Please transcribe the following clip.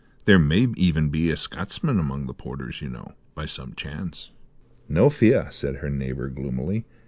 There may even be a Scotchman among the porters, you know, by some chance." "No fear," said her neighbour gloomily.